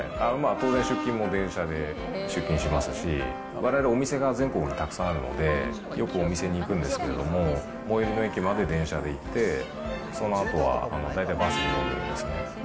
当然出勤も電車で出勤しますし、われわれ、お店が全国にたくさんあるので、よくお店に行くんですけれども、最寄りの駅まで電車で行って、そのあとは大体バスに乗るんですね。